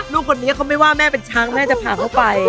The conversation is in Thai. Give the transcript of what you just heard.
ลูกคนนี้เขาไม่ว่าแม่เป็นช้างแม่จะพาเขาไป